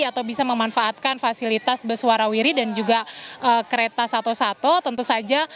atau bisa memanfaatkan fasilitas besuara wiri dan juga kereta satu satu tentu saja